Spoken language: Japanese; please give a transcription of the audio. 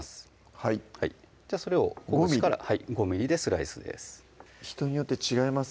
はいそれを小口から５ｍｍでスライスです人によって違います